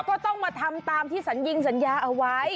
ก็ต้องมาทำตามที่สัญญิงสัญญาเอาไว้